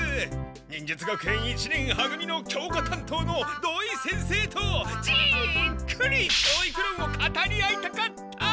忍術学園一年は組の教科担当の土井先生とじっくり教育論を語り合いたかった！